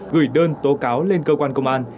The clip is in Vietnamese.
gửi đơn tố cáo lên cơ quan công an